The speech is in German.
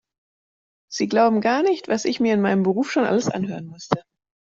Sie glauben gar nicht, was ich mir in meinem Beruf schon alles anhören musste.